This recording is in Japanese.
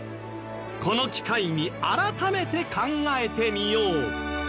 この機会に改めて考えてみよう